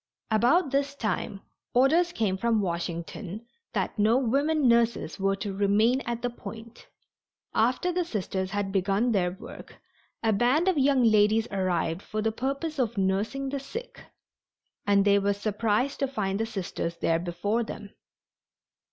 About this time orders came from Washington that no women nurses were to remain at the Point. After the Sisters had begun their work a band of young ladies arrived for the purpose of nursing the sick, and they were surprised to find the Sisters there before them.